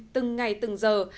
từng ngày từng giờ